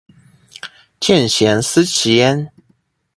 见贤思齐焉